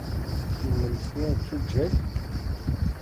Kennemti d tuǧǧal?